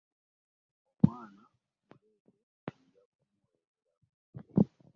Omwana muleete nja kumuweerera.